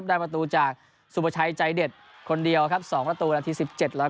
ได้ประตูจากสูโปะชัยใจเด็ดคนนีเดียวสองประตูอาทิตย์๑๗แล้ว๒๓